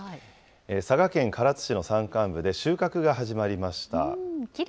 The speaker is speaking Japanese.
佐賀県唐津市の山間部で収穫が始まりました。